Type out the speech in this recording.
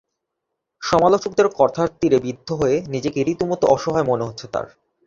সমালোচকদের কথার তিরে বিদ্ধ হয়ে নিজেকে রীতিমতো অসহায় মনে হচ্ছে তাঁর।